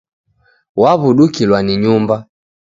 Waw'udukilwa ni nyumba.